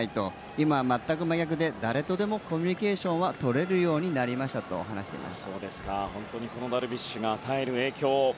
今は全く真逆で誰とでもコミュニケーションをとれるようになりましたと話しています。